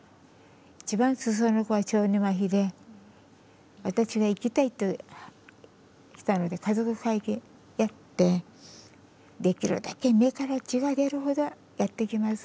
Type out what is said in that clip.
一番下の子は小児まひで私が行きたいと言ったので家族会議やってできるだけ目から血が出るほどやってきます